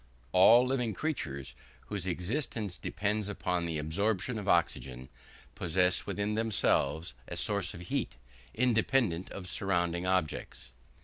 All living creatures, whose existence depends upon the absorption of oxygen, possess within themselves a source of heat, independent of surrounding objects.